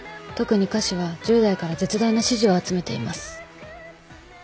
特に歌詞は１０代から絶大な支持を集めています。